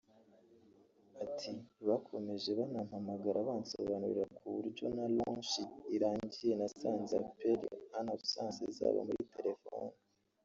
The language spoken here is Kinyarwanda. ati «bakomeje banampamagara bansobanurira ku buryo na launch irangiye nasanze appels en absences zabo muri telephone